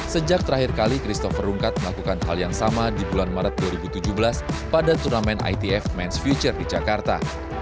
sejak terakhir kali christopher rungkat melakukan hal yang sama di bulan maret dua ribu tujuh belas pada turnamen itf ⁇ ns future di jakarta